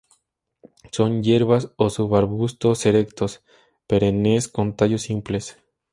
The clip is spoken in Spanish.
Son hierbas o subarbustos erectos, perennes; con tallos simples.